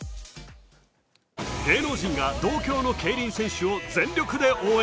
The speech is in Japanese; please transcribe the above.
芸能人が同郷の競輪選手を全力で応援。